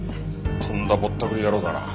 とんだぼったくり野郎だな。